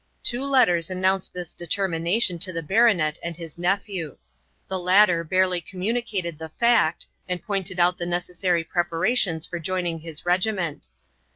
Two letters announced this determination to the Baronet and his nephew. The latter barely communicated the fact, and pointed out the necessary preparations for joining his regiment.